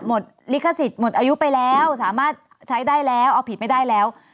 ลิขสิทธิ์หมดอายุไปแล้วสามารถใช้ได้แล้วเอาผิดไม่ได้แล้ว